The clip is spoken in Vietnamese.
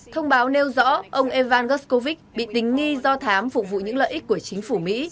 thông báo nêu rõ ông evan guscovich bị tính nghi do thám phục vụ những lợi ích của chính phủ mỹ